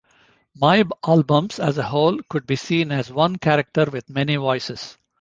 My albums as a whole could be seen as one character with many voices.